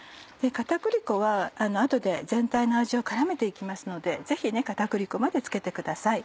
片栗粉は後で全体の味を絡めて行きますのでぜひ片栗粉まで付けてください。